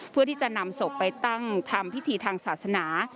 เพื่อที่จะนำศพไปตั้งทำพิธีทางศาสนา